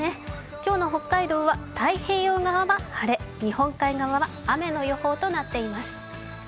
今日の北海道は太平洋側は晴れ、日本海側は雨の予報となっています。